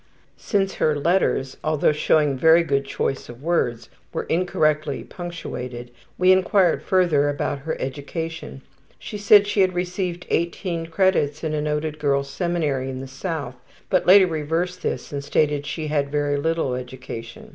Since her letters, although showing very good choice of words, were incorrectly punctuated, we inquired further about her education. She said she had received 18 credits in a noted girls' seminary in the south, but later reversed this and stated she had very little education.